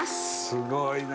すごいな。